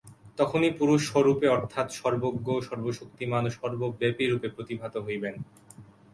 তখনই পুরুষ স্ব-স্বরূপে অর্থাৎ সর্বজ্ঞ, সর্বশক্তিমান ও সর্বব্যাপিরূপে প্রতিভাত হইবেন।